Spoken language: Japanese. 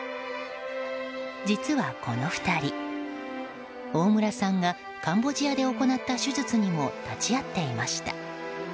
実はこの２人、大村さんがカンボジアで行った手術にも立ち会っていました。